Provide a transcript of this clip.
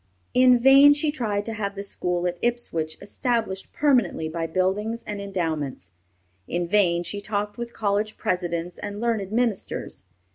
In vain she tried to have the school at Ipswich established permanently by buildings and endowments. In vain she talked with college presidents and learned ministers.